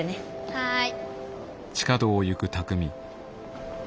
はい。